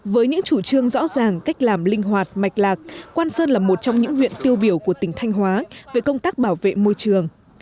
với những chủ trương rõ ràng cách làm linh hoạt mạch lạc quan sơn là một trong những huyện tiêu biểu của tỉnh thanh hóa về công tác bảo vệ môi trường